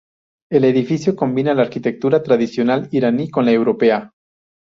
El edificio combina la arquitectura tradicional iraní con la europea.